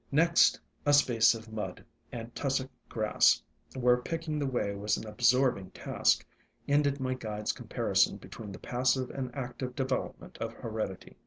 Next a space of mud and Tussock Grass, where picking the way was an absorbing task, ended my guide's comparison between the passive and active development of heredity.